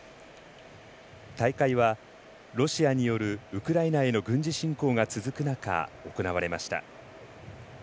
大会は、ロシアによるウクライナへの軍事侵攻が続く中、行われました。